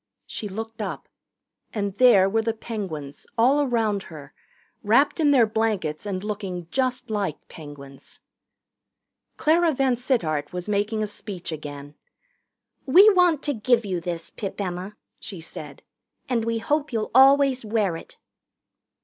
She looked up. And there were the Penguins, all around her, wrapped in their blankets and looking just like Penguins. Clara VanSittart was making a speech again. "We want to give you this, Pip Emma," she said, "and we hope you'll always wear it."